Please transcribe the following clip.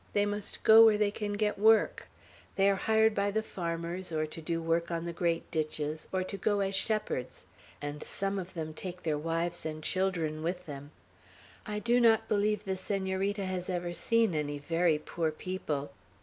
They must go where they can get work; they are hired by the farmers, or to do work on the great ditches, or to go as shepherds; and some of them take their wives and children with them. I do not believe the Senorita has ever seen any very poor people."